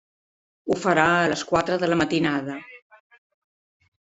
Ho farà a les quatre de la matinada.